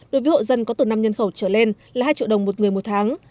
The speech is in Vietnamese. đối với hộ dân có từ năm nhân khẩu trở lên là hai triệu đồng một người một tháng